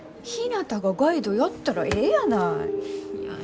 ひなたがガイドやったらええやない。